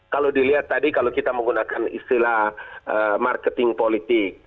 kalau dilihat tadi kalau kita menggunakan istilah marketing politik